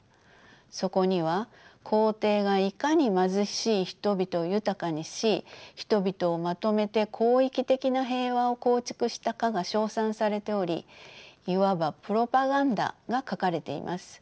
そこには皇帝がいかに貧しい人々を豊かにし人々をまとめて広域的な平和を構築したかが称賛されておりいわばプロパガンダが書かれています。